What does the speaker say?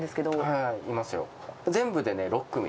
はい、いますよ。